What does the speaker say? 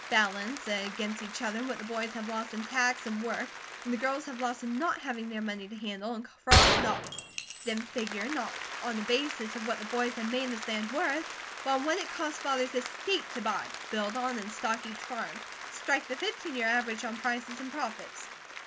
Balance against each other what the boys have lost in tax and work, and the girls have lost in not having their money to handle, and cross it off. Then figure, not on a basis of what the boys have made this land worth, but on what it cost Father's estate to buy, build on, and stock each farm. Strike the fifteen year average on prices and profits.